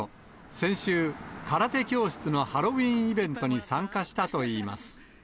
先週、空手教室のハロウィーンイベントに参加したといいます。